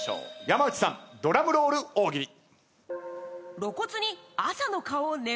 山内さんドラムロール大喜利。